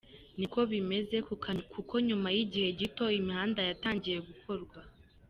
Niko byagenze kuko nyuma y’igihe gito imihanda yatangiye gukorwa.